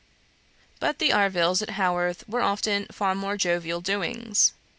But the arvills at Haworth were often far more jovial doings.